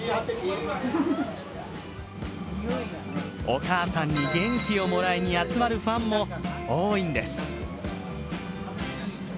お母さんに元気をもらいに集まるファンも多いんです。